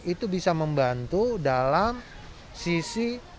itu bisa membantu dalam sisi